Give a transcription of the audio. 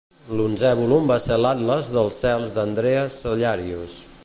L'onzè volum va ser l'Atles dels cels d'Andreas Cellarius.